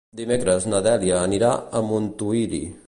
Dimecres na Dèlia anirà a Montuïri.